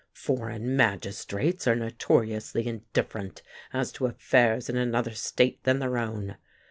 Foreign magistrates are notoriously indifferent as to affairs in another state than their own.